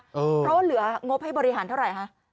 เพราะว่าเหลืองบให้บริหารเท่าไหร่คะ